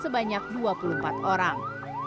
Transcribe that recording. sebanyak dua puluh empat orang